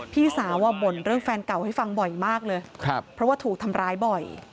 พี่สาวบ่นเรื่องแฟนเก่าให้ฟังบ่อยมากเลยเพราะว่าถูกทำร้ายบ่อย